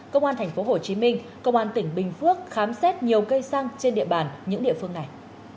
công an tp hcm công an tỉnh bình phước khám xét nhiều cây xăng trên địa bàn những địa phương này